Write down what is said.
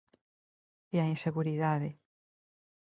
E a inseguridade.